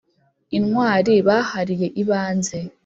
Intwari bahariye ibanze